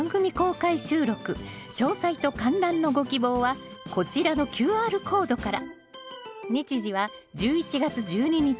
詳細と観覧のご希望はこちらのＱＲコードから。